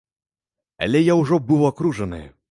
Але я ўжо быў акружаны.